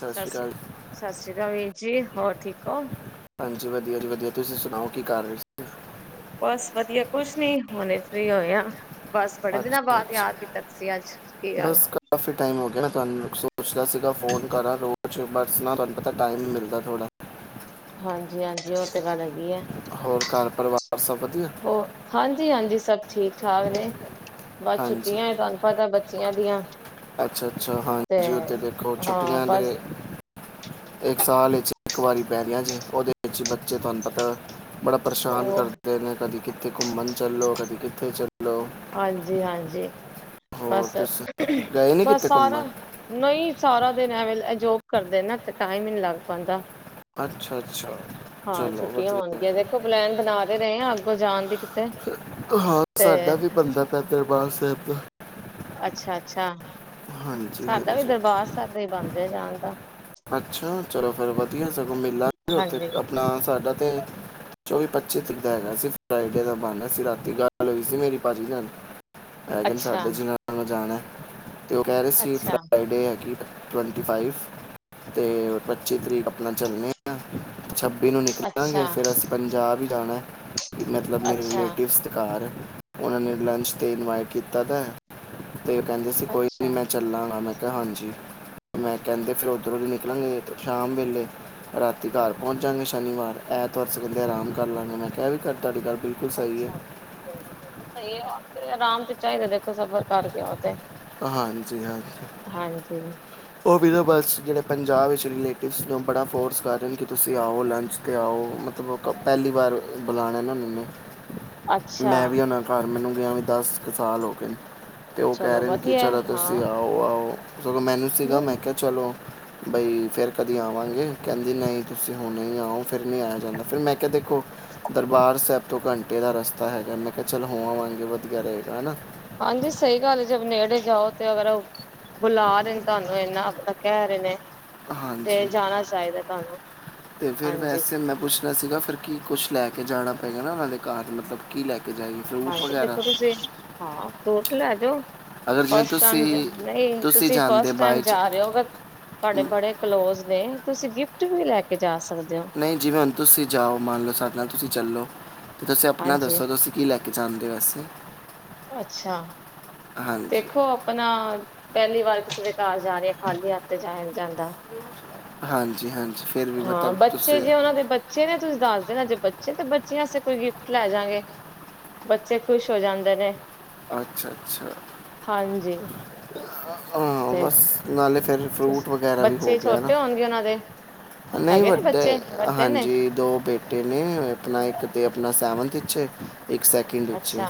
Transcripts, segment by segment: ਸਤਿ ਸ਼੍ਰੀ ਸਾਸੀ, ਅਕਾਲ ਸਾਸ੍ਰੀ ਕਾਲ ਵੀਰ ਜੀ ਹੋਰ ਠੀਕ ਓ। ਹਾਂਜੀ ਵਦੀਆ ਜੀ ਵਦੀਆ ਤੁਸੀ ਸੁਨਾਓ ਕੀ ਕਾਰ ਰੇ ਸ ਬਾੱਸ ਵਦੀਆ ਕੁੱਛ ਨੀ, ਹੋਨੇ ਫ੍ਰੀ ਹੋਏ ਆਂ। ਬਾੱਸ ਬੜੇ ਦਿਨਾ ਅੱਛਾ ਬਾਦ ਅੱਛਾ ਯਾਦ ਕੀਤਾ ਤੁਸੀ ਆੱਜ, ਕੀ ਗਾੱਲ ਬਸ ਕਾਫੀ ਟਾਈਮ ਓ ਗੇਆ ਣਾ ਤੁਆਨੂੰ ਸੋਚਦਾ ਸੀਗਾ ਫੋਨ ਕਰਾ ਰੋਜ, ਬਾੱਸ ਨਾ ਤੁਆਨੂੰ ਪਤੈ ਟਾਈਮ ਮਿਲਦਾ ਥੋੜ੍ਹਾ। ਹਾਂਜੀ-ਹਾਂਜੀ ਓ ਤੇ ਗਾੱਲ ਐਗੀ ਏ। ਹੋਰ ਘਾੱਰ ਪਰਵਾਰ ਸਬ ਵਦੀਆ। ਹੋ, ਹਾਂਜੀ-ਹਾਂਜੀ ਸਬ ਠੀਕ ਠਾਕ ਨੇ ਬਾੱਸ ਹਾਂਜੀ ਛੁੱਟੀਐ ਤੁਆਨੂੰ ਪਤੈ ਬ ਚੇਆ ਦੀਆਂ। ਅੱਛਾ-ਅੱਛਾ, ਹਾਂਜੀ ਓ ਤੇ ਦੇਖੋ ਹਾਂ ਛੁੱਟੀਆਂ ਬਸ ਦੇ ਏਕ ਸਾਲ ਏਚ ਏਕ ਵਾਰੀ ਪੈਨੀਆਂ ਜੇ, ਓਦੇ ਏਚ ਈ ਬੱਚੇ ਤੁਆਨੂੰ ਪਤਾ ਬੜਾ ਪਰੇਸ਼ਾਨ ਉਹ ਕਰਦੇ ਨੇ ਕਦੀ ਕਿੱਥੇ ਘੁੰਮਣ ਚੱਲੋ ਕਦੀ ਕਿੱਥੇ ਚੱਲੋ। ਹਾਂਜੀ-ਹਾਂਜੀ, ਹੋਰ ਬਾੱਸ ਤੁਸੀਂ ਗਏ ਨਹੀਂ ਬਾੱਸ ਕਿਤੇ ਘੁੰਮਣ ਸਾਰਾ ਨਈ ਸਾਰਾ ਦੇਨ ਐਵੇ ਲ, ਐ ਜੋਬ ਕਰਦੇ ਨਾ ਤੇ ਟਾਈਮ ਈ ਨੀ ਲੱਗ ਪਾਂਦਾ। ਅੱਛਾ ਅੱਛਾ ਹਾਂ ਚਲੋ ਛੁੱਟੀਆਂ ਹੋਨ ਵਧੀਆ ਦੇਖੋ ਪਲੈਨ ਬਨਾ ਤੇ ਰਏ ਆ ਅੱਗੋ ਜਾਨ ਦੀ ਕਿੱਤੇ। ਹਾਂ ਸਾਡਾ ਵੀ ਬੰਦਾ ਪੇਐ ਦਰਬਾਰ ਸੈਬ ਦਾ। ਅੱਛਾ-ਅੱਛਾ। ਹਾਂਜੀ-ਹਾਂਜੀ ਸਭ ਵਧੀਆ। ਬਣਦੇ ਜਾਣ ਦਾ ਅੱਛਾ ਚਲੋ ਫਿਰ ਵਧੀਆ ਸਗੋਂ ਮਿਲਾਂਗੇ ਓਥੇ ਹਾਂਜੀ ਆਪਣਾ ਸਾਡਾ ਤੇ ਚੋਵੀ-ਪੱਚੀ ਤਿੱਰੀਕ ਦਾ ਹੈਗਾ ਸੀ ਫਰਾਈਡੇ ਦਾ ਬਾਣਾ ਸੀ ਰਾਤੀ ਗੱਲ ਹੋਈ ਸੀ ਮੇਰੀ ਪਾਜੀ ਨਾਲ। ਹੈਗਾ ਨੀ ਅੱਛਾ ਸਾਡੇ ਜਿਨਾਂ ਨਾਲ ਜਾਣਾ ਤੇ ਓ ਕਹਿ ਰਹੇ ਸੀ ਅੱਛਾ ਫਰਾਈਡੇ ਹੈਗੀ ਟਵੰਟੀ ਫਾਈਵ ਤੇ ਪੱਚੀ ਤਰੀਕ ਆਪਣਾ ਚੱਲਣੇ ਆ। ਛੱਬੀ ਨੂੰ ਨਿਕਲਾਂਗੇ ਅੱਛਾ ਫਿਰ ਅਸੀਂ ਪੰਜਾਬ ਈ ਜਾਣਾ। ਮਤਲਬ ਮੇਰੇ ਅੱਛਾ ਰਿਲੇਟਿਵਸ ਦੇ ਕਾਰ ਓਨਾਂ ਨੇ ਲੰਚ ਤੇ ਇਨਵਾਈਟ ਕੀਤਾ ਦਾ ਐ। ਤੇ ਉਹ ਕੈਂਦੇ ਸੀ ਕੋਈ ਨਹੀਂ ਅੱਛਾ ਮੈਂ ਚੱਲਾਂਗਾ ਮੈਂ ਕਿਹਾ ਹਾਂਜੀ ਮੈਂ ਕੈੰਦੇ ਫਿਰ ਉਧਰੋਂ ਦੀ ਨਿਕਲਾਂਗੇ ਸ਼ਾਮ ਵੇਲੇ ਰਾਤੀ ਘਰ ਪੋਂਚ ਜਾਂਗੇ ਸ਼ਨੀਵਾਰ ਐਤਵਾਰ ਸਵੇਲੇ ਆਰਾਮ ਕਰ ਲਾਂਗੇ ਮੈਂ ਕਿਹਾ ਵੀ ਕਰ ਤੁਹਾਡੀ ਗੱਲ ਬਿਲੁ ਅੱਛਾ ਸਹੀ ਏ ਆਰਾਮ ਚ ਚਾਹੀਦਾ ਦੇਖੋ ਸਫ਼ਰ ਕਰ ਗਯਾ ਓ ਤੇ ਹਾਂਜੀ ਹਾਂਜੀ ਹਾਂਜੀ। ਉਹ ਵਿ ਨਾ ਬਸ ਜੇੜੇ ਪੰਜਾਬ ਵਿੱਚ ਰਿਲੇਟਿਵਸ ਨੇ ਓ ਬੜਾ ਫੋਰਸ ਕਰ ਰੇ ਨੇ ਕਿ ਤੁਸੀਂ ਆਓ ਲੰਚ ਤੇ ਆਓ ਮਤਲਬ ਪੈਲੀ ਵਾਰ ਬਲਾਣਾ ਏ ਨਾ ਮੇਨੂੰ। ਅੱਛਾ ਮੈਂ ਵੀ ਓਨਾ ਕਾਰ ਮੈਨੂੰ ਗਯਾ ਵੀ ਦਸ ਕੁ ਸਾਲ ਹੋਗੇ ਨੇ ਤੇ ਉਹ ਕਹਿ ਚਲੋ ਰਹੇ ਨੇ ਕਿ ਵਧੀਆ ਚਲੋ ਹਾਂ ਤੁਸੀਂ ਆਓ-ਆਓ ਸਗੋਂ ਮੈਨੂੰ ਸੀਗਾ ਮੈਂ ਕੇਹਾ ਚਲੋ ਬਈ ਫੇਰ ਕਦੀ ਆਵਾਂਗੇ ਕਹਿੰਦੀ ਨਹੀਂ ਤੁਸੀਂ ਹੁਣੇ ਹੀ ਆਓ ਫਿਰ ਨੀ ਆਇਆ ਜਾਂਦਾ ਫਿਰ ਮੈਂ ਦੇਖੋ ਦਰਬਾਰ ਸੈਬ ਤੋਂ ਘੰਟੇ ਦਾ ਰਸਤਾ ਹੈਗਾ ਮੈਂ ਕਿਹਾ ਚੱਲ ਹੋ ਆਵਾਂਗੇ ਵਧੀਆ ਰਹੇਗਾ ਹੈ ਨਾ- ਹਾਂਜੀ ਸਹੀ ਗੱਲ ਏ ਜੇ ਨੇੜੇ ਜਾਓ ਤੇ ਅਗਰ ਓ ਬੁਲਾ ਰੇ ਨੇ ਤੁਹਾਨੂੰ ਇੰਨਾ ਆਪਣਾ ਕਹਿ ਰਹੇ ਨੇ ਤੇ ਹਾਂਜੀ ਜਾਣਾ ਚਾਇਦਾ ਤਾਨੂੰ ਤੇ ਫਿਰ ਹਾਂਜੀ। ਵੈਸੇ ਮੈਂ ਪੁੱਛਣਾ ਸੀਗਾ ਫਿਰ ਕੀ ਕੁਛ ਲੈ ਕੇ ਜਾਣਾ ਪਏਗਾ ਨਾ ਓਨਾਂ ਦੇ ਕਾਰ ਮਤਲਬ ਕੀ ਲੈ ਕੇ ਜਾਇਏ? ਹਾਂਜੀ ਦੇਖੋ ਤੁਸੀਂ ਹਾਂ ਫ੍ਰਊਟ ਲੈ ਜੋ। ਅਗਰ ਜਿਵੇਂ ਫਸਟ ਟੈਮ ਤੁਸੀਂ ਨਹੀਂ ਤੁਸੀਂ ਜਾਂਦੇ ਫਸਟ ਟੈਮ ਬਾਈ ਚ ਜਾ ਰਹੇ ਹੋ ਗ ਤੁਹਾਡੇ ਬੜੇ ਕਲੋਜ ਨੇ ਤੁਸੀਂ ਗਿਫਟ ਵੀ ਲੈ ਕੇ ਜਾ ਸਕਦੇ ਹੋ ਨਹੀਂ ਜਿਵੇਂ ਹੁਣ ਤੁਸੀਂ ਜਾਓ ਮੰਨ ਲਓ ਸਾਡੇ ਨਾਲ ਤੁਸੀਂ ਚੱਲੋ ਤੇ ਤੁਸੀਂ ਆਪਣਾ ਹਾਂਜੀ ਦੱਸੋ ਤੁਸੀਂ ਕੀ ਲੈ ਕੇ ਜਾਂਦੇ ਵੈਸੇ ਅੱਛਾ ਹਾਂਜੀ ਦੇਖੋ ਅਪਣਾ ਪੈਲੀ ਵਾਰ ਕਿਸੇ ਦੇ ਕਾਰ ਜਾ ਰੀ ਆ ਖਾਲੀ ਹੱਥ ਤੇ ਜਾਯਾ ਨੀ ਜਾਂਦਾ। ਹਾਂਜੀ-ਹਾਂਜੀ। ਹਾਂ ਬੱਚੇ ਜੇ ਓਨਾਂ ਦੇ ਬੱਚੇ ਨੇ ਤੁਸੀਂ ਦੱਸ ਦੇਨਾ ਜੇ ਬੱਚੇ ਤੇ ਬੱਚਿਆਂ ਵਾਸਤੇ ਕੋਈ ਗਿਫਟ ਲੈ ਜਾਂਗੇ। ਬੱਚੇ ਖ਼ੁਸ਼ ਹੋ ਜਾਂਦੇ ਨੇ। ਅੱਛਾ-ਅੱਛਾ। ਹਾਂਜੀ ਹਾਂ ਤੇ ਬਸ ਨਾਲੇ ਫਿਰ ਫਰੂਟ ਵਗੈਰਾ ਵੀ ਹੋ ਬੱਚੇ ਗਯਾ ਨਾ। ਛੋਟੇ ਹੋਣਗੇ ਉਹਨਾਂ ਦੇ ਨਹੀਂ ਹੈਗੇ ਨੇ ਵੱਡੇ ਬੱਚੇ ਵੱਡੇ ਨੇ ਹਾਂਜੀ ਦੋ ਬੇ ਟੇ ਨੇ ਆਪਣਾ ਇੱਕ ਆਪਣਾ ਸੈਵਨਥ ਚ ਏ ਤੇ ਇੱਕ ਸੈਕਿੰਡ ਚ ਏ। ਅੱਛਾ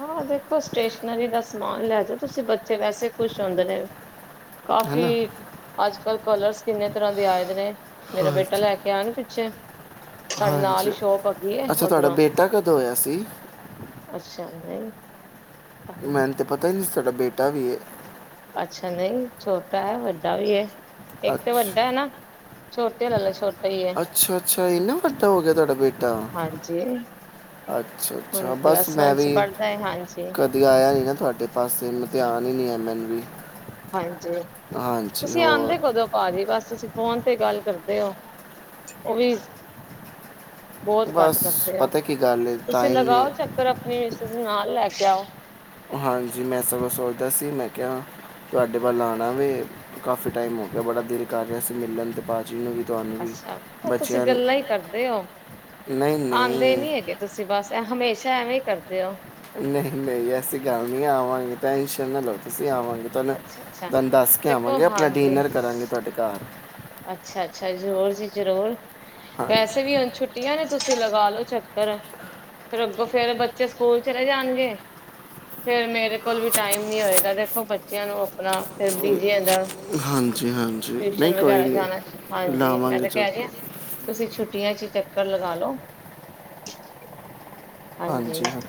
ਹਾਂ ਦੇਖੋ ਸਟੇਸ਼ਨਰੀ ਦਾ ਸਮਾਨ ਲੈ ਜਾਓ ਤੁਸੀਂ ਬੱਚੇ ਵੈਸੇ ਖੁਸ਼ ਹੁੰਦੇ ਨੇ। ਹੈਨਾ ਕਾਫ਼ੀ ਅੱਜ-ਕੱਲ ਕਲਰਸ ਕਿੰਨੇ ਤਰ੍ਹਾਂ ਦੇ ਆਏ ਦੇ ਨੇ ਮੇਰਾ ਬੇਟਾ ਹਾਂਜੀ ਲੈ ਕੇ ਆ ਨਾ ਪਿੱਛੇ ਸਾਡੇ ਨਾਲ ਈ ਸ਼ੋਪ ਹੈਗੀ ਏ ਓਧਰੋਂ ਤੇ ਹੋਇਆ ਸੀ। ਅੱਛਾ ਨਈ। ਮੈਨ ਤੇ ਪਤਾ ਈ ਨਹੀਂ ਸੀ ਤਾਡਾ ਬੇਟਾ ਵੀ ਏ। ਅੱਛਾ ਨਹੀਂ ਛੋਟਾ ਐ ਵੱਡਾ ਵੀ‌ ਏ ਇੱਕ ਤੇ ਵੱਡਾ ਏ ਨਾ। ਛੋਟੇ ਵਾਲਾ ਲ ਛੋਟਾ ਹੀ ਹੈ ਅੱਛਾ-ਅੱਛਾ ਏਨਾ ਵੱਡਾ ਹੋ ਗਯਾ ਤੁਹਾਡਾ ਬੇਟਾ। ਹਾਂਜੀ ਹੁਣ ਅੱਛਾ-ਅੱਛਾ, ਬਸ ਪਲੱਸ ਵਨ ਮੈਂ ਚ ਵੀ ਪੜ੍ਹਦਾ ਹੈ ਹਾਂਜੀ ਕਦੀ ਆਇਆ ਨੀ ਨਾ ਤੁਆਡੇ ਬਸ ਇਨਾ ਧਿਆਨ ਈ ਨੀ ਐ ਮੈਨੂੰ ਵੀ। ਹਾਂਜੀ ਹਾਂਜੀ ਤੁਸੀ ਹੋਰ ਆਂਦੇ ਕਦੋਂ? ਪਾਜੀ ਬਸ ਤੁਸੀ ਫੋਨ ਤੇ ਗੱਲ ਕਰਦੇ ਓ। ਓ ਵੀ ਬੋਤ ਘੱਟ ਬਸ ਕਰਦੇ ਆ। ਪਤਾ ਕੀ ਗੱਲ ਹੈ ਤੁਸੀ ਟਾਈਮ ਨੇ ਲਗਾਓ ਚੱਕਰ ਆਪਣੀ ਮਿਸਿਸ ਨੂੰ ਨਾਲ ਲੈ ਕੇ ਆਓ। ਹਾਂਜੀ ਮੈਂ ਸਗੋਂ ਸੋਚਦਾ ਸੀ ਮੈਂ ਕਿਆ ਤੁਆਡੇ ਵੱਲ ਆਣਾ ਵੇ। ਕਾਫੀ ਟਾਈਮ ਹੋ ਗਿਆ ਬੜਾ ਦਿਲ ਕਰ ਰੇਆ ਸੀਂ ਮਿਲਣ ਤੇ ਪਾ ਜਿਵੇਂ ਵੀ ਤੁਆਨੂੰ ਅੱਛਾ, ਓ ਤੁਸੀ ਗੱਲਾਂ ਈ ਕਰਦੇ ਓ, ਨਹੀਂ ਆਦੇ ਨਹੀਂ ਨੀ ਹੈਗੇ। ਤੁਸੀ ਬਸ ਐ ਹਮੇਸ਼ਾ ਐਵੇਂ ਈ ਕਰਦੇ ਓ? ਨਹੀਂ ਨਈ ਐਸੀਂ ਗੱਲ ਨੀ ਐ ਆਵਾਂਗੇ। ਟੈਨਸ਼ਨ ਨਾ ਲੋ ਤੁਸੀ ਆਵਾਂਗੇ। ਤਾਨੂੰ ਅੱਛਾ ਅੱਛਾ ਤੁਆਨੂੰ ਦੱਸ ਕੇ ਦੇਖੋ ਆਵਾਂਗੇ ਆਪਣਾ ਡਿਨਰ ਕਰਾਂਗੇ ਤੁਆਡੇ ਘਾਰ ਅੱਛਾ-ਅੱਛਾ ਜਰੂਰ ਜੀ ਜਰੂਰ। ਹਾਂਜੀ ਵੈਸੇ ਵੀ ਹੁਣ ਛੁੱਟੀਆਂ ਨੇ ਤੁਸੀ ਲਗਾ ਲੋ ਚੱਕਰ। ਫੇਰ ਅੱਗੋਂ ਫੇਰ ਬੱਚੇ ਸਕੂਲ ਚਲੇ ਜਾਣਗੇ ਫੇਰ ਮੇਰੇ ਕੋਲ ਵੀ ਟਾਈਮ ਨੀ ਹੋਏਗਾ ਦੇਖੋ ਬੱਚੇਆਂ ਨੂੰ ਆਪਣਾ ਫੇਰ ਬਿਜੀ ਹੈਗੈ। ਹਾਂਜੀ ਹਾਂਜੀ ਟਿਊਸ਼ਨ ਨਹੀਂ ਕੋਈ ਵਗੈਰਾ ਜਾਨੈ ਨਹੀਂ ਹਾਂਜੀ ਮੈਂ ਲਾਵਾਂਗੇ ਤੇ ਕੈ ਚੁੱਕ ਰੀ ਆਂ। ਤੁਸੀ ਛੁੱਟੀਆਂ 'ਚ ਈ ਚੱਕਰ ਲਗਾਾ ਲੋ। ਹਾਂਜੀ ਹਾਂ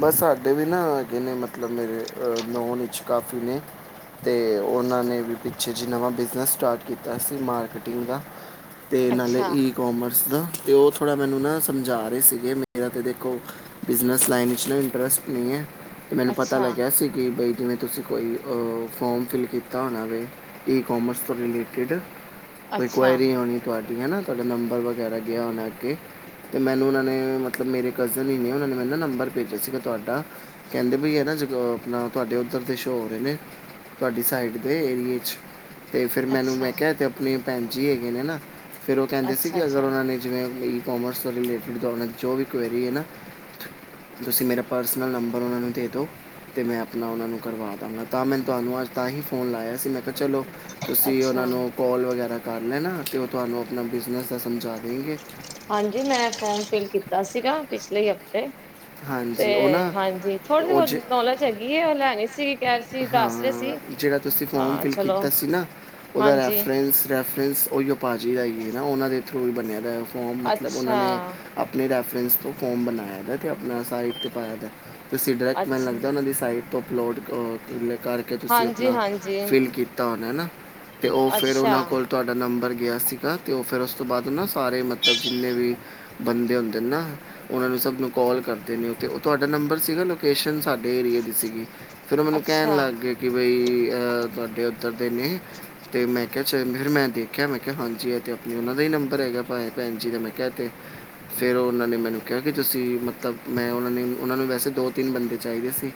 ਬਸ ਸਾਡੇ ਵੀ ਨਾ ਓ ਹੈਗੇ ਨੇ ਮਤਲਬ ਮੇਰੇ ਅ ਨੋਨ ਵਿੱਚ ਕਾਫੀ ਨੇ ਤੇ ਓਨਾਂ ਨੇ ਵੀ ਪਿੱਛੇ ਜੀ ਨਵਾਂ ਬਿਜਨਸ ਸਟਾਰਟ ਕੀਤਾ ਸੀ ਮਾਰਕੀਟਿੰਗ ਦਾ। ਤੇ ਨਾਲੇ ਅੱਛਾ ਈ ਕੋਮਰਸ ਦਾ ਤੇ ਓ ਥੋੜਾ ਮੈਨੂੰ ਨਾ ਸਮਝਾ ਰੇ ਸੀਗੇ। ਮੇਰਾ ਤੇ ਦੇਖੋ ਬਿਜਨਸ ਲਾਈਨ 'ਚ ਨਾ ਇੰਟਰਸਟ ਨੀ ਐ ਮੈਨੂੰ ਪਤਾ ਅੱਛਾ ਲੱਗੇਆ ਸੀ ਕਿ ਬਈ ਜਿਵੇਂ ਤੁਸੀ ਕੋਈ ਅ ਫੋਮ ਫਿਲ ਕੀਤਾ ਹੋਣਾ ਵੇ ਈ ਕੋਮਰਸ ਤੋਂ ਰਿਲੇਟਿਡ ਕੋਈ ਅੱਛਾ ਕੁਐਰੀ ਹੋਣੀ ਤੁਆਡੀ ਹੈ ਨਾ ਤੁਆਡਾ ਨੰਬਰ ਵਗੈਰਾ ਗਿਆ ਹੋਨੈ ਅੱਗੇ ਤੇ ਮੈਨੂੰ ਓਨਾਂ ਨੇ ਮਤਲਬ ਮੇਰੇ ਕਜ਼ਨ ਈ ਕੀ ਉਨਾਂ ਨੇ ਮੈਨੂੰ ਨਾ ਨੰਬਰ ਭੇਜਿਆ ਸੀਗਾ ਤੁਆਡਾ ਕੈਂਦੇ ਬਈ ਐ ਨਾ ਜਦੋਂ ਅ ਆਪਣਾ ਤੁਆਡੇ ਓਧਰ ਦੇ ਸ਼ੋ ਹੋ ਰੇ ਨੇ ਤੁਆਡੀ ਸਾਈਡ ਦੇ ਏਰੀਏ 'ਚ। ਤੇ ਫੇਰ ਮੈਨੂੰ ਅੱਛਾ ਮੈਂ ਕਿਆ ਏ ਤੇ ਆਪਣੇ ਭੈਣ ਜੀ ਹੈਗੇ ਨੇ ਨਾ ਫੇਰ ਓ ਕੈਂਦੇ ਸੀ ਅੱਛਾ ਕਿ ਅਗਰ ਅੱਛਾ ਓਨਾਂ ਨੇ ਜਿਵੇਂ ਵੀ ਈ ਕੋਮਰਸ ਤੋਂ ਰਿਲੇਟਿਡ ਤੁਆਡੇ ਨਾਲ ਜੋ ਵੀ ਕੁਐਰੀ ਏ ਨਾ ਤੁਸੀ ਮੇਰਾ ਪਰਸਨਲ ਨੰਬਰ ਓਨਾਂ ਨੂੰ ਦੇ ਦੋ ਤੇ ਮੈਂ ਆਪਣਾ ਓਨਾਂ ਨੂੰ ਕਰਵਾ ਦਾਂਗਾ ਤਾਂ ਮੈਂਨ ਤੁਆਨੂੰ ਅੱਜ ਤਾਂ ਹੀ ਫੋਨ ਲਾਇਆ ਸੀ ਮੈਂ ਤੇ ਚਲੋ ਤੁਸੀ ਓਨਾਂ ਅੱਛਾ ਨੂੰ ਕੋਲ ਵਗੈਰਾ ਕਰ ਲੈਣਾ ਤੇ ਓ ਤੁਆਨੂੰ ਆਪਣਾ ਬਿਜ਼ਨਸ ਦਾ ਸਮਝਾ ਦੇਂਗੇ। ਹਾਂਜੀ, ਮੈਂ ਫੋਮ ਫਿਲ ਕੀਤਾ ਸੀਗਾ ਪਿਛਲੇ ਈ ਹਫ਼ਤੇ। ਤੇ ਹਾਂਜੀ ਉਹ ਨਾ ਹਾਂਜੀ ਉਹ ਥੋੜੀ-ਬੋਤੀ ਜੇ ਨੌਲੇਜ ਹੈਗੀ ਏ ਓ ਲੈਣੀ ਸੀ ਕੈ ਰੇ ਹਾਂ, ਜੜਾ ਤੁਸੀ ਫੋਮ ਫਿਲ ਚਲੋ ਕੀਤਾ ਸੀ ਨਾ ਓਦਾ ਹਾਂਜੀ ਰੈਫਰੈਂਸ ਰੈਫਰੈਂਸ ਓਈ ਓ ਪਾਜੀ ਹੈਗੀ ਏ ਨਾ ਓਨਾਂ ਦੇ ਥਰੂ ਬਣਿਆ ਦੈ ਫੋਮ ਮਤਲਬ ਓਨਾਂ ਅੱਛਾ ਨੇ ਆਪਨੇ ਰੈਫਰੈਂਸ ਤੋਂ ਫੋਮ ਬਨਾਏਆ ਦੈ ਤੇ ਆਪਣਾ ਸਾਈਟ 'ਤੇ ਪਾਏਆ ਦੈ। ਤੁਸੀ ਡਰੈਕਟ ਮੈਨੂੰ ਅੱਛਾ ਲੱਗਦੈ ਓਨਾਂ ਦੀ ਸਾਈਡ ਤੋਂ ਅਪਲੋਡ ਅ ਕਿਦਲੇ ਕਰਕੇ ਤੁਸੀ ਹਾਂਜੀ ਆਪਣਾ ਹਾਂਜੀ ਫਿਲ ਕੀ ਤਾ ਹੋਨੈ ਨਾ ਤੇ ਓ ਫੇਰ ਅੱਛਾ ਓਨਾਂ ਕੋਲ ਤੋਆਡਾ ਨੰਬਰ ਗਿਆ ਸੀਗਾ ਤੇ ਓ ਫੇਰ ਓਸ ਤੋਂ ਬਾਦ ਨਾ ਸਾਰੇ ਮਤਲਬ ਜਿੰਨੇ ਵੀ ਬੰਦੇ ਹੁੰਦੇ ਨੇ ਨਾ ਓਨਾਂ ਨੂੰ ਸਭ ਨੂੰ ਕੋਲ ਕਰਦੇ ਨੇ ਓ ਤੇ ਓ ਤੁਆਡਾ ਨੰਬਰ ਸੀਗਾ ਲੋਕੇਸ਼ਨ ਸਾਡੇ ਏਰੀਏ ਦੀ ਸੀਗੀ। ਫਿਰ ਓ ਮੈਨੂੰ ਕੈਂਨ ਅੱਛਾ ਲੱਗ ਗਏ ਕਿ ਬਈ ਅਹ ਤੁਹਾਡੇ ਉੱਧਰ ਦੇ ਨੇ। ਤੇ ਮੈਂ ਕਿਆ 'ਚ ਮੈਂ ਦੇਖਿਆ ਮੈਂ ਕਿਆ ਹਾਂਜੀ ਤੇ ਆਪਨੀ ਉਨਾਂ ਦਾ ਹੀ ਨੰਬਰ ਹੈਗਾ ਭ ਭੈਣ ਜੀ ਮੈਂ ਕਿਆ ਤੇ ਫਿਰ ਉਨਾਂ ਨੇ ਮੈਨੂੰ ਕਿਆ ਕਿ ਤੁਸੀਂ ਮਤਲਬ ਤਾਂ ਮੈਂ ਉਹਨਾਂ ਨੇ ਉਹਨਾਂ ਨੂੰ ਵੈਸੇ ਦੋ-ਤਿੰਨ ਬੰਦੇ ਚਾਹੀਦੇ ਸੀ।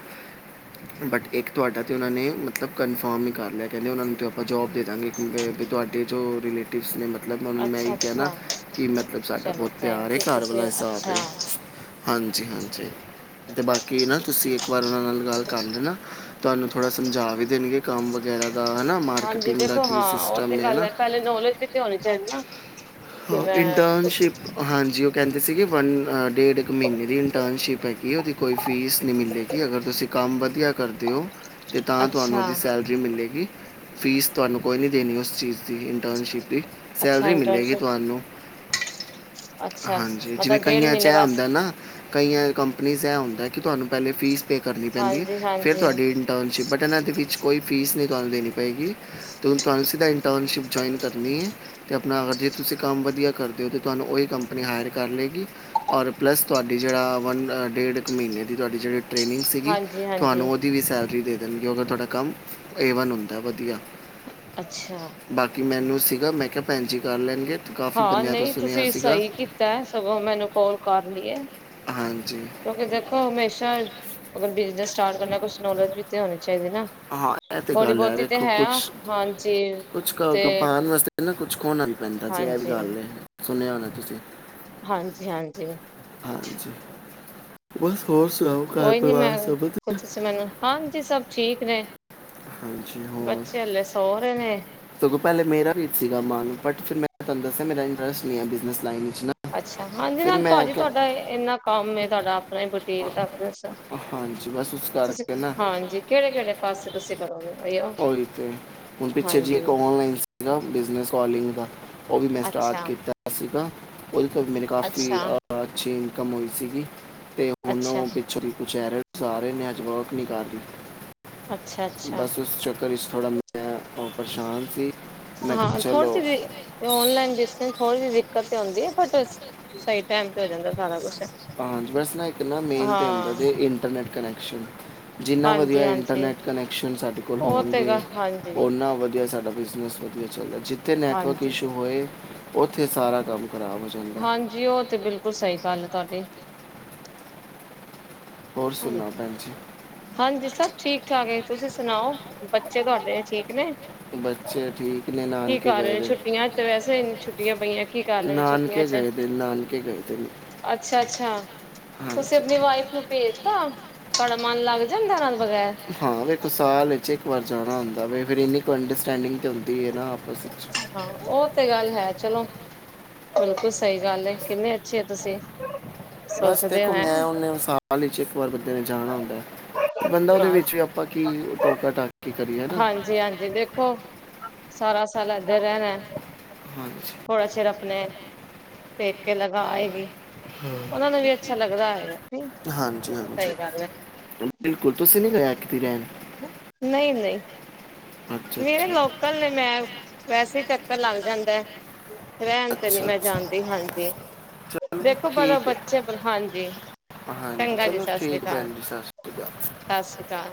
ਬਟ ਇੱਕ ਤੁਹਾਡਾ ਤੇ ਉਹਨਾਂ ਨੇ ਮਤਲਬ ਕੰਨਫੋਮ ਹੀ ਕਰ ਲਿਆ ਕੈਂਦੇ ਉਹਨਾਂ ਨੂੰ ਤਾਂ ਆਪਾਂ ਜੋਬ ਦੇ ਦਾਂਗੇ। ਵੀ ਤੁਹਾਡੇ ਜੋ ਰਿਲੇਟਿਵਸ ਨੇ ਮਤ ਲਬ ਮੈਂ ਇਹੀ ਅੱਛਾ ਕਿਆ ਨਾ ਅੱਛਾ ਕਿ ਮਤਲਬ ਸਾਡਾ ਚਲੋ ਬਹੁਤ ਪਿਆਰ ਥੈਂਕ ਏ ਯੂ ਘਰ ਵਾਲਾ ਤੁਸੀਂ ਹਿਸਾਬ ਅੱਛਾ ਏ। ਹਾਂਜੀ-ਹਾਂਜੀ ਤੇ ਬਾਕੀ ਨਾ ਤੁਸੀਂ ਇੱਕ ਵਾਰ ਉਨਾਂ ਨਾਲ ਗੱਲ ਕਰ ਲੈਨਾ ਤੁਹਾਨੂੰ ਥੋੜਾ ਸਮਝਾ ਵੀ ਦੇਣਗੇ। ਕੰਮ ਵਗੈਰਾ ਦਾ ਹਨਾ ਹਾਂਜੀ ਮਾਰਕੀਟਿੰਗ ਦਾ ਦੇਖੋ ਕੀ ਹਾਂ ਉਹ ਸਿਸਟਮ ਤੇ ਏ ਗੱਲ ਹਨਾ। ਹੈ ਪਹਿਲੇ ਨੌਲੇਜ ਵੀ ਤੇ ਹੋਨੀ ਚਾਹੀਦੀ ਨਾ। ਕਿ ਹ ਮੈਂ ਇੰਟਨਸ਼ਿਪ ਹਾਂਜੀ ਓ ਕੈਂਦੇ ਸੀਗੇ ਵਨ ਅ ਡੇਢ ਕ ਮ੍ਹੀਨੇ ਦੀ ਇੰਟਨਸ਼ਿਪ ਹੈਗੀ ਉਹਦੀ ਕੋਈ ਫੀਸ ਨਈ ਮਿਲੇਗੀ ਅਗਰ ਤੁਸੀਂ ਕੰਮ ਵਧੀਆ ਕਰਦੇ ਹੋ ਤੇ ਤਾਂ ਤੁਹਾਨੂੰ ਅੱਛਾ ਉਦੀ ਸੈਲ ਮਿਲੇਗੀ ਫੀਸ ਤੁਹਾਨੂੰ ਕੋਈ ਨਈ ਦੇਣੀ ਉਸ ਚੀਜ਼ ਦੀ ਇੰਟਰਨਸ਼ਿਪ ਦੀ ਅੱਛਾ ਸੈਲਰੀ ਮਿਲੇਗੀ। ਇੰਟਰਨਸ਼ਿਪ ਹੈਲੋ ਅੱਛਾ ਹਾਂਜੀ ਜਿਵੇਂ ਮਤਲਬ ਡੇਢ ਕਈਆਂ 'ਚ ਮਹੀਨੇ ਬਸ ਹੁੰਦਾ ਦਾ ਨਾ ਕਈ ਐ ਕੰਪਨੀਜ਼ ਇਹ ਹੁੰਦਾ ਕਿ ਤੁਹਾਨੂੰ ਪਹਿਲੇ ਫੀਸ ਪੇ ਕਰਨੀ ਪੈਂਦੀ ਹੈ ਹਾਂਜੀ ਫਿਰ ਹਾਂਜੀ ਤੁਹਾਡੀ ਟਨਸ਼ਿਪ ਬਟ ਇਹਨਾਂ ਦੇ ਵਿੱਚ ਕੋਈ ਫੀਸ ਨਈ ਤੁਹਾਨੂੰ ਦੇਣੀ ਪਏਗੀ। ਤੇ ਹੁਣ ਤੁਹਾਨੂੰ ਸਿੱਧਾ ਇੰਨਸ਼ਿਪ ਜੁਇਨ ਕਰਨੀ ਏ ਤੇ ਆਪਣਾ ਤੁਸੀਂ ਕੰਮ ਵਧੀਆ ਕਰਦੇ ਹੋ ਅਤੇ ਤੁਹਾਨੂੰ ਉਹੀ ਕੰਪਨੀ ਹਾਇਰ ਕਰ ਲਏਗੀ। ਔਰ ਪਲੱਸ ਤੁਹਾਡੀ ਜੇੜਾ ਵੰਨ ਡੇਢ ਕੁ ਮ੍ਹੀਨੇ ਦੀ ਤੁਹਾਡੀ ਜਿਹੜੀ ਟ੍ਰੇਨਿੰਗ ਸੀਗੀ ਹਾਂਜੀ ਹਾਂਜੀ ਤੁਹਾਨੂੰ ਓ ਦੀ ਵੀ ਸੈਲਰੀ ਦੇ ਦੇਣਗੇ ਅਗ ਤੁਹਾਡਾ ਕੰਮ ਏਵਨ ਹੁੰਦਾ ਵਧੀਆ ਅੱਛਾ ਬਾਕੀ ਮੈਨੂੰ ਸੀਗਾ ਮੈਂ ਕਿਆ ਭੈਣ ਜੀ ਕਰ ਲੈਣ ਹਾਂ ਨਈ ਤੁਸੀਂ ਸਈ ਕੀਤਾ ਸਗੋਂ ਮੈਨੂੰ ਕਾਲ ਕਰ ਲਈ ਏ। ਹਾਂਜੀ ਕਿਉਂਕਿ ਦੇਖੋ ਹਮੇਸ਼ਾ ਅਗਰ ਬਿਜਨਸ ਸਟਾਰਟ ਕਰਨਾ ਕੁਛ ਨੌਲੇਜ ਵੀ ਤੇ ਹੋਣੀ ਚਾਹੀਦੀ ਨਾ ਹਾਂ ਇਹ ਤੇ ਥੋੜ੍ਹੀ ਗੱਲ ਹੈ ਬਹੁਤੀ ਤੇ ਵੇਖੋ ਕੁਛ- ਹਾਂਜੀ ਕੁਛ ਤੇ ਪਾਣ ਵਾਸਤੇ ਕੁਛ ਖੋਣਾ ਵੀ ਪੈਂਦਾ ਜੀ ਇਹ ਹਾਂਜੀ ਗੱਲ ਐ ਸੁਣਿਆ ਹੋਣਾ ਤੁਸੀ ਹਾਂਜੀ-ਹਾਂਜੀ ਹਾਂਜੀ ਬਸ ਹੋਰ ਸੁਣਾਓ। ਘਰ ਕੋਈ ਨੀ ਪਰਿਵਾਰ ਮੈਂ ਸਭ ਵਧੀਆ? ਤੁਸੀਂ ਮੈਨੂੰ ਹਾਂਜੀ ਸਭ ਠੀਕ ਨੇ ਹਾਂਜੀ ਹੋਰ ਬੱਚੇ ਹੱਲੇ ਸੋ ਰਏ ਨੇ। ਸਗੋਂ ਪੈਲੇ ਮੇਰਾ ਵੀ ਸੀ ਨਾ ਸੀਗਾ ਮਨ ਬਟ ਫਿਰ ਮੇਰ ਮੈਂ ਤੁਹਾਨੂੰ ਦੱਸਿਆ ਮੇਰਾ ਇੰਟਰਸਟ ਨਈਬਿਜਨੇਸ ਲਾਇਨ 'ਚ ਨਾ। ਅੱਛਾ ਹਾਂਜੀ ਫਿਰ ਨਾਲ ਮੈਂ ਭਾਜੀ ਕਿਹਾ ਤੁਹਾਡਾ ਇੰਨਾ ਕੰਮ ਤੁਹਾਡਾ ਆਪਣਾ ਬੁਟੀਕ ਦਾ ਬਸ ਹਾਂਜੀ ਬਸ ਉਸ ਕਰਕੇ ਨਾ ਕੇੜੇ-ਕੇੜੇ ਪਾਸੇ ਤੁਸੀਂ ਪਾ ਕਰੋਗੇ ਅਈਓ ਉਹੀ ਹਾਂਜੀ। ਜ ਬਿਜਨਸ ਵਾਲੀਇੰਗ ਦਾ ਓ ਵੀ ਮੈਂ ਸਟਾਰਟ ਅੱਛਾ ਕੀਤਾ ਸੀਗਾ ਉਹਦੇ ਤੋਂ ਵੀ ਮੇਰੇ ਕਾਫੀ ਅੱਛਾ ਅ ਅੱਛੀ ਇਨਕਮ ਹੋਈ ਸੀਗੀ ਤੇ ਹੁਣ ਅੱਛਾ ਓ ਪਿੱਛੋਂ ਕੁਛ ਐਰ ਸਾਰੇ ਨੇ ਅੱਜ ਵਰਕ ਨਈ ਕਰ ਰਈ। ਅੱਛਾ-ਅੱਛਾ ਚੱਕਰ ਇਸ ਥੋੜਾ ਮੈਂ ਪਰੇਸ਼ਾਨ ਸੀ ਮੈਂ ਕਿਆ ਚਲੋ। ਤੇ ਔਨਲਾਈਨ ਜਿਸ ਥੋੜੀ ਜਹੀ ਦਿੱਕਤ ਤੇ ਹੁੰਦੀ ਆਬਟ ਸਈ ਟੈਮ ਤੇ ਹੋ ਜਾਂਦਾ ਸਾਰਾ ਕੁਛ ਹਾਂ ਬਸ ਇੱਕ ਨਾ ਮੇਨ ਤੇ ਹੁੰਦਾ ਹਾਂ ਏ ਇੰਟਰਨੈਟ ਕਨੈਕਸ਼ਨ ਜਿੰਨਾ ਹਾਂਜੀ ਵਧੀਆ ਹਾਂਜੀ ਇੰਟਰਨੈੱਟ ਕਨੈਕਸ਼ਨ ਸਾਡੇ ਕੋਲ ਉਹ ਤੇ ਗ ਹੋਣਗੇ। ਹਾਂਜੀ ਓਨਾਂ ਵਧੀਆ ਸਾਡਾ ਬਿਜ਼ਨਸ ਵ ਚੱਲਦਾ ਜਿੱਥੇ ਨੈੱਟਵਰਕ ਹਾਂਜੀ ਇਸ਼ੂ ਹੋਏ, ਉੱਥੇ ਸਾਰਾ ਕੰਮ ਖਰਾਬ ਜਾਂਦਾ ਹਾਂਜੀ, ਉਹ ਤੇ ਬਿਲਕੁਲ ਸਹੀ ਗੱਲ ਏ ਤੁਆਡੀ ਹੋਰ ਹਾਂਜੀ ਸੁਣਾ ਪੈਣ ਜੀ। ਹਾਂਜੀ ਸਭ ਠੀਕ ਠਾਕ ਐ। ਤੁਸੀਂ ਸੁਣਾਓ ਬੱਚੇ ਤੁਆੜੇ ਠੀਕ ਨੇ? ਬੱਚੇ ਠੀਕ ਨੇ ਕੀ ਨਾਨਕੇ ਕਾਰ ਗਏ ਰਹੇ? ਦੇ ਨੇ। ਛੁੱਟੀਆਂ ਤੇ ਵੈਸੇ ਛੁੱਟੀਆਂ ਪਈਆਂ ਕੀ ਕਰ ਰਹੇ ਨੇ ਨਾਨਕੇ ਗਏ ਦੇ ਨੇ, ਨਾਨਕੇ ਗਏ ਦੇ ਨੇ ਅੱਛਾ-ਅੱਛਾ। ਹਾਂਜੀ। ਵਾਈਫ ਨੂੰ ਪੇਜ ਤਾਂ ਤਾੜਾ ਮਨ ਲਗ ਜਾਦਾ ਓਨੂੰ ਦੇ ਵਗੈਰ ਹਾਂ ਵੇਖ ਸਾਲ ਵਿੱਚ ਏਕ ਵਾਰ ਜਾਣਾ ਹੁੰਦਾ ਫਿਰ ਏਨੀ ਕੁ ਅੰਡਸਟਿੰਗ ਤੇ ਹੁੰਦੀ ਏ ਨਾ ਆਪਸ ਵਿੱਚ ਹਾਂ ਉਹ ਤੇ ਗੱਲ ਹੈ ਚਲੋ, ਬਿਲਕੁਲ ਸਹੀ ਗੱਲ ਕਿੰਨੇ ਅੱਛੇ ਓ ਤੁਸੀਂ ਬਸ ਸੋਚਦੇ ਦੇਖੋ ਹੋ ਹੈਂ ਮੈਂ ਓਨੇ ਓਸ ਚ ਇਕ ਵਾਰ ਬੰਦੇ ਨੇ ਜਾਣਾ ਹੁੰਦਾ ਐ, ਬੰਦਾ ਉਹਦੇ ਹਾਂ ਵਿੱਚ ਵੀ ਆਪਾਂ ਕੀ ਟੋਕਾ ਟਾ ਹਾਂਜੀ-ਹਾਂਜੀ ਦੇਖੋ ਸਾਰਾ ਸਾਲ ਏਦਾ ਰੇਣਾ ਹਾਂਜੀ ਥੋੜਾ ਚਿਰ ਆਪਣੇ ਪੇਕੇ ਲਗਾ ਆਏਗੀ ਉਹਨਾਂ ਨੂੰ ਵੀ ਅੱਛਾ ਲੱਗਦਾ ਹੈਗਾ ਨੀ ਹਾਂਜੀ ਹਾਂਜੀ ਸਹੀ ਗੱਲ ਏ। ਬਿਲਕੁਲ ਤੁਸੀਂ ਨੀ ਗਏ ਏਤ ਕੀ ਰੈਣ ਨਈ-ਨਈ। ਮੇਰੇ ਅੱਛਾ ਲੋਕਲ ਨੇ, ਮੈ ਵੈਸੇ ਚੱਕਰ ਲੱਗ ਜਾਦਾ ਰੇਣ ਤੇ ਨੀ ਅੱਛਾ ਮੈ ਅੱਛਾ ਜਾਦੀ ਹਾਂਜੀ, ਚਲੋ ਦੇਖੋ ਪਰ ਠੀਕ ਹੈ ਬੱਚੇ ਹਾਂਜੀ ਹਾਂਜੀ ਚੰਗਾ ਜੀ ਚਲੋ ਸਤਿ ਸ੍ਰੀ ਠੀਕ ਅਕਾਲ ਪੈਣ ਜੀ ਸਤਿ ਸ਼੍ਰੀ ਅਕਾਲ ਸਤਿ ਸ਼੍ਰੀ ਅਕਾਲ।